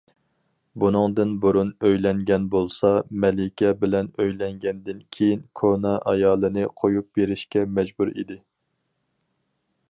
بۇنىڭدىن بۇرۇن ئۆيلەنگەن بولسا، مەلىكە بىلەن ئۆيلەنگەندىن كېيىن، كونا ئايالىنى قويۇپ بېرىشكە مەجبۇر ئىدى.